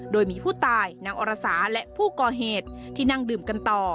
โดยมีผู้ตายนางอรสาและผู้ก่อเหตุที่นั่งดื่มกันต่อ